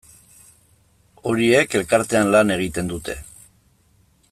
Horiek elkartean lan egiten dute.